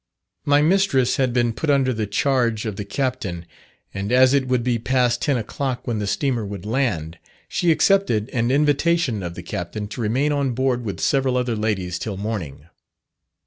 My mistress had been put under the charge of the captain; and as it would be past ten o'clock when the steamer would land, she accepted an invitation of the captain to remain on board with several other ladies till morning.